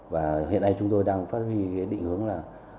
và hiện nay chúng tôi đang phát huy định hướng là